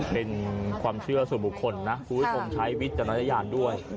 เป็นความเชื่อส่วนบุคคลนะคุณผู้ชมใช้วิจารณญาณด้วย